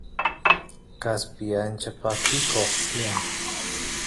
kaspi ancha pakikoq tiyan